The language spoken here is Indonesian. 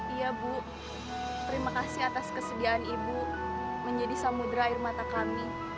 iya bu terima kasih atas kesediaan ibu menjadi samudera air mata kami